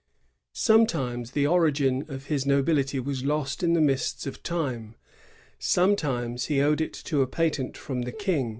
Sometimes the origin of his nobility was lost in the mists of time; sometimes he owed it to a patent from the King.